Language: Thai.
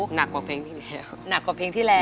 หนักกว่าเพลงที่แล้ว